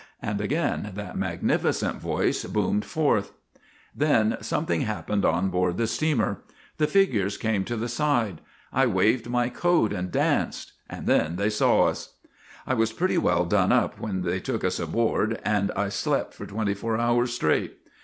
And again that magnificent voice boomed forth. Then something happened on board the steamer. The figures came to the side. I waved my coat and danced. Then they saw us. ' I was pretty well done up when they took us aboard, and I slept for twenty four hours straight.